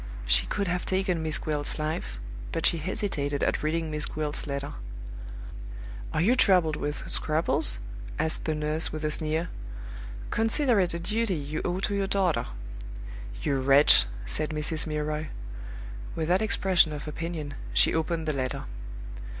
She could have taken Miss Gwilt's life, but she hesitated at reading Miss Gwilt's letter. "Are you troubled with scruples?" asked the nurse, with a sneer. "Consider it a duty you owe to your daughter." "You wretch!" said Mrs. Milroy. With that expression of opinion, she opened the letter.